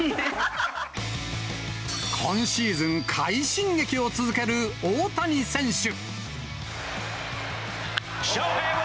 今シーズン、快進撃を続ける大谷選手。